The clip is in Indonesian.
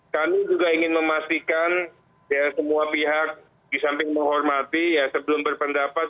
kami juga ingin memastikan semua pihak disamping menghormati sebelum berpendapat